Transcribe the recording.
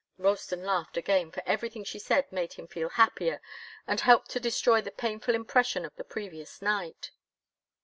Ralston laughed again, for everything she said made him feel happier and helped to destroy the painful impression of the previous night.